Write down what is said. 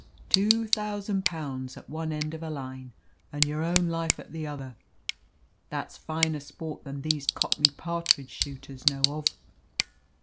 Two thousand pounds at one end of a line and your own life at the other that's finer sport than these Cockney partridge shooters know of.